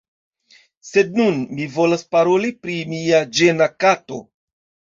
Sed nun, mi volas paroli pri mia ĝena kato.